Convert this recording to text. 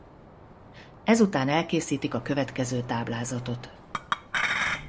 Ezután elkészítik a következő táblázatot.